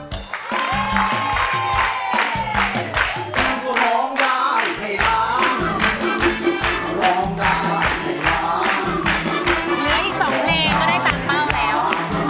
เหลืออีก๒เพลงก็ได้ตามเป้าแล้ว